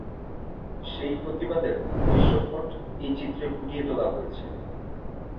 সেই প্রতিবাদের দৃশ্যপট এই চিত্রে ফুটিয়ে তোলা হয়েছে।